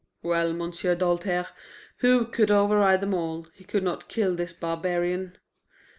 Well, M'sieu' Doltaire, who could override them all, he could not kill this barbarian.